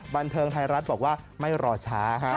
บันเทิงไทยรัฐบอกว่าไม่รอช้า